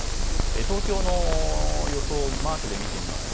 東京の予想をマークで見てみます。